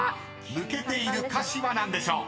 ［抜けている歌詞は何でしょう？